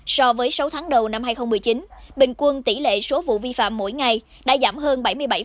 so với sáu tháng đầu năm hai nghìn một mươi chín bình quân tỷ lệ số vụ vi phạm mỗi ngày đã giảm hơn bảy mươi bảy